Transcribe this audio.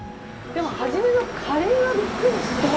でも、初めのカレーにびっくりして。